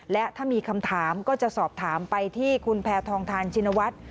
และถ้ามีคำถามก็จะสอบถามไปที่คุณแพทองทานชินวัฒน์